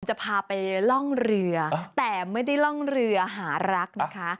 จะพาไปล่องเรือแต่ไม่ได้ล่องเรือหารักนะคะ